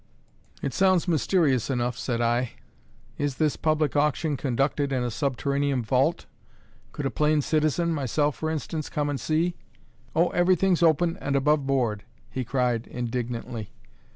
"It sounds mysterious enough," said I. "Is this public auction conducted in a subterranean vault? Could a plain citizen myself, for instance come and see?" "O, everything's open and above board!" he cried indignantly.